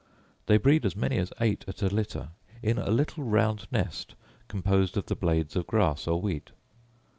They breed as many as eight at a litter, in a little round nest composed of the blades of grass or wheat.